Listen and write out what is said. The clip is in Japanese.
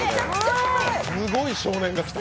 すごい少年が来た。